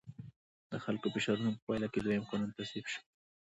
د خلکو د فشارونو په پایله کې دویم قانون تصویب شو.